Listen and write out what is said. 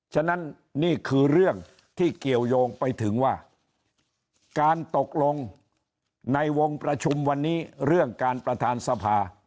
ฉะนั้นนี่คือเรื่องที่เกี่ยวยงไปถึงว่าการตกลงในวงประชุมวันนี้เรื่องการประธานสภา